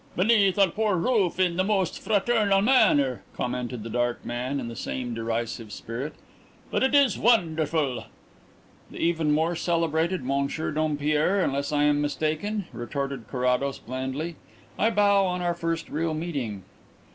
"Beneath our poor roof in the most fraternal manner," commented the dark man, in the same derisive spirit. "But it is wonderful." "The even more celebrated Monsieur Dompierre, unless I am mistaken?" retorted Carrados blandly. "I bow on our first real meeting."